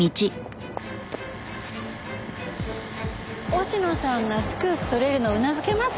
忍野さんがスクープ撮れるのうなずけますね。